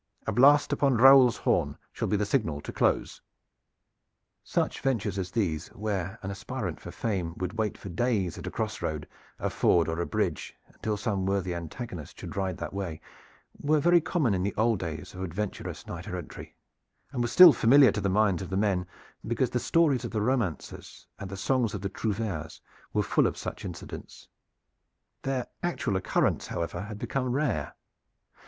A blast upon Raoul's horn shall be the signal to close." Such ventures as these where an aspirant for fame would wait for days at a cross road, a ford, or a bridge, until some worthy antagonist should ride that way, were very common in the old days of adventurous knight erranty, and were still familiar to the minds of all men because the stories of the romancers and the songs of the trouveres were full of such incidents. Their actual occurrence however had become rare.